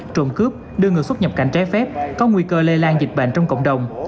trộm cướp đưa người xuất nhập cảnh trái phép có nguy cơ lây lan dịch bệnh trong cộng đồng